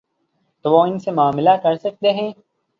تو وہ ان سے معاملہ کر سکتے ہیں۔